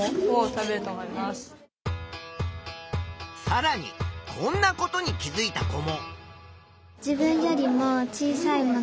さらにこんなことに気づいた子も。